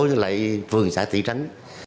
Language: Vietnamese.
với lại phường xã thị trấn